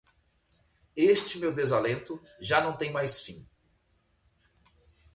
Este meu desalento já não tem mais fim.